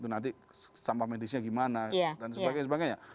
nanti sampah medisnya gimana dan sebagainya